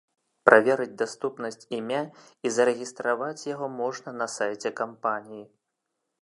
Праверыць даступнасць імя і зарэгістраваць яго можна на сайце кампаніі.